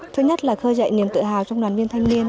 thứ nhất là khơi dậy niềm tự hào trong đoàn viên thanh niên